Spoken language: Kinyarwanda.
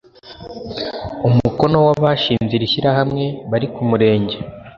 umukono wabashinze iri shyirahamwe bari ku murenge